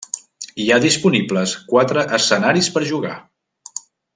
Hi ha disponibles quatre escenaris per jugar.